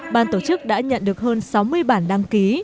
ban tổ chức đã nhận được hơn sáu mươi bản đăng ký